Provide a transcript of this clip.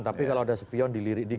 tapi kalau udah sepion dilirik dikit